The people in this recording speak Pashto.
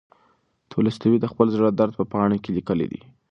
تولستوی د خپل زړه درد په پاڼو کې لیکلی دی.